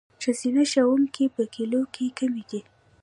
ښځینه ښوونکي په کلیو کې کمې دي.